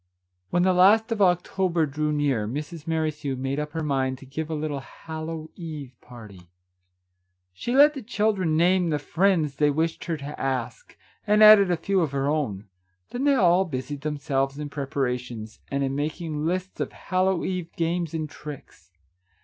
When the last of October drew near, Mrs. Merrithew made up her mind to give a little Hallow eve party. She let the children name the friends they wished her to ask, and added a few of her own ; then they all busied them selves in preparations, and in making lists of Hallow eve games and tricks.